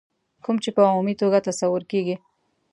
کوم چې په عمومي توګه تصور کېږي.